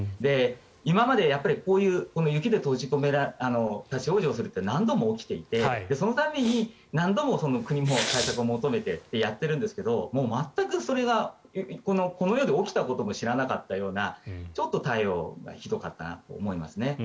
今までこういう雪で立ち往生するって何度も起きていてその度に何度も国も対策を求めてとやっているんですがもう全く、それがこの世で起きたことも知らなかったようなちょっと対応がひどかったなと思いますね。